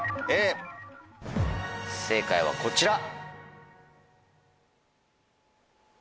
正解はこちら！